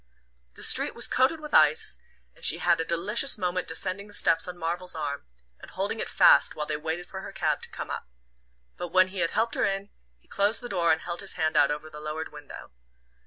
The street was coated with ice, and she had a delicious moment descending the steps on Marvell's arm, and holding it fast while they waited for her cab to come up; but when he had helped her in he closed the door and held his hand out over the lowered window.